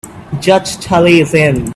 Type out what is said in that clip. Judge Tully is in.